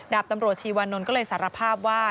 ดาบตำรวจชีวานนท์ก็เลยสารภาพว่า